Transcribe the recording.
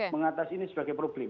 mengatas ini sebagai problem